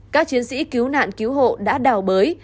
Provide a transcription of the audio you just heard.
các chiến sĩ cứu nạn cứu hộ đã đào bới